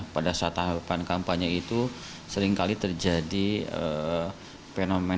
pada saat tahapan kampanye itu seringkali terjadi fenomena